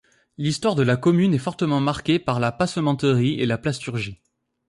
L'histoire de la commune est fortement marquée par la passementerie et la plasturgie.